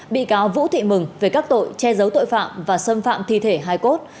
bị cáo vũ thị mừng về các tội che giấu tội phạm và xâm phạm thi thể hai cốt